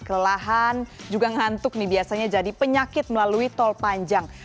kelelahan juga ngantuk nih biasanya jadi penyakit melalui tol panjang